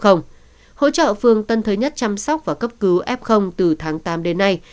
hỗ trợ phương tân thới nhất chăm sóc và cấp cứu f từ tháng tám đến nay